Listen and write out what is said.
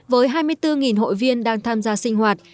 với hai mươi bốn hội viên đang tham gia sinh hoạt